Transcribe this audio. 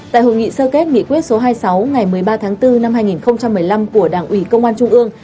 tại hội nghị sơ kết nghị quyết số hai mươi sáu ngày một mươi ba tháng bốn năm hai nghìn một mươi năm của đảng ủy công an trung ương